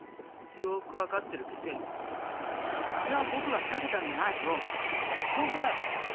よく分かってるくせにあれは僕が仕掛けたんじゃないロンホントだよ！